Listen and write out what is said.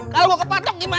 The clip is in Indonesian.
kalo gue kepatok gimana